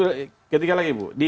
terus ketiga lagi bu